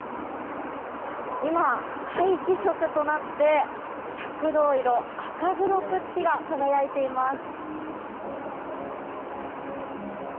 今、皆既食となって赤銅色赤黒く月が輝いています。